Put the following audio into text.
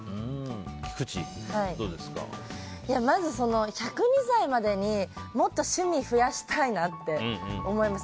まず、１０２歳までのもっと趣味増やしたいなって思います。